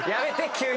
急に。